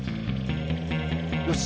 よし！